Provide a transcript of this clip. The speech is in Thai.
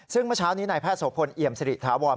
ซึ่งเมื่อเช้านี้นายแพทย์โสพลเอี่ยมสิริถาวร